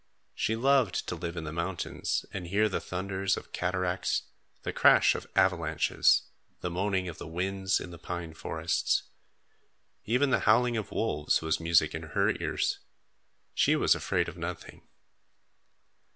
She loved to live in the mountains, and hear the thunders of cataracts, the crash of avalanches, the moaning of the winds in the pine forests. Even the howling of wolves was music in her ears. She was afraid of nothing.